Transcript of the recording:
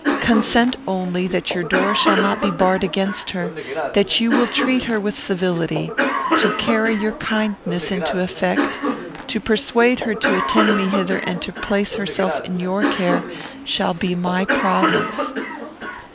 Consent only that your door shall not be barred against her; that you will treat her with civility: to carry your kindness into effect; to persuade her to attend me hither and to place herself in your care, shall be my province."